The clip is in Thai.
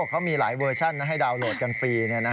เขามีหลายเวอร์ชั่นให้ดาวนโหลดกันฟรี